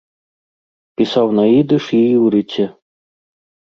Пісаў на ідыш і іўрыце.